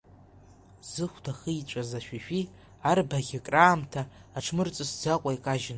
Зыхәда хиҵәаз ашәишәи арбаӷь акраамҭа, аҽмырҵысӡакәа икажьын.